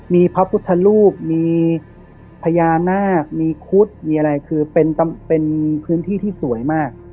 มีพระพุทธรูปมีพญานาคมีคุดมีอะไรคือเป็นพื้นที่ที่สวยมาก